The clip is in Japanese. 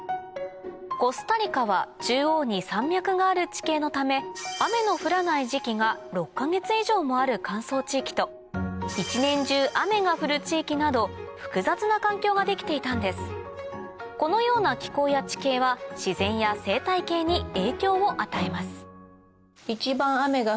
コスタリカは中央に山脈がある地形のため雨の降らない時期が６か月以上もある乾燥地域と一年中雨が降る地域など複雑な環境ができていたんですこのような気候や地形は自然や生態系に影響を与えます